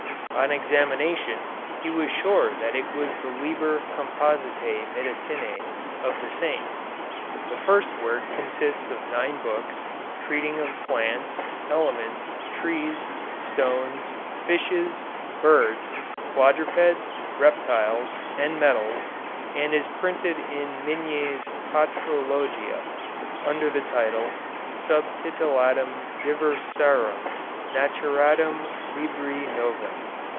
On examination, he was sure that it was the "Liber Compositæ Medicinæ" of the saint. The first work consists of nine books, treating of plants, elements, trees, stones, fishes, birds, quadrupeds, reptiles, and metals, and is printed in Migne's "Patrologia," under the title "Subtilitatum Diversarum Naturarum Libri Novem."